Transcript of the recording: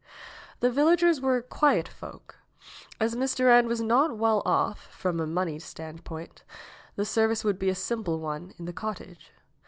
The villagers were quiet folk. As Miss Durand was not well off, from a money standpoint, the service would be a simple one in the cottage.